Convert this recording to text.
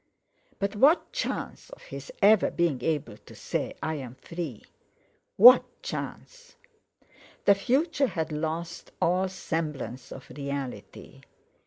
But what chance of his ever being able to say: "I'm free?" What chance? The future had lost all semblance of reality.